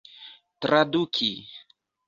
traduki